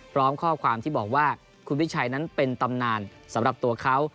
พร้อมข้อความที่บอกว่าคุณวิชัยนั้นเป็นตำนานสำหรับตัวเขา